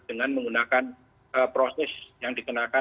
dengan menggunakan proses yang dikenakan